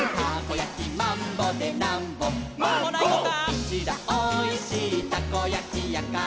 「うちらおいしいたこやきやから」